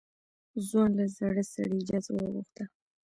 ځوان له زاړه سړي اجازه وغوښته.